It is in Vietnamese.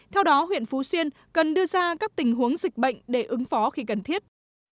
theo đó huyện phú xuyên cần đưa ra các tình huống dịch bệnh để ứng phó khi cần thiết